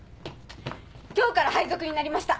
今日から配属になりました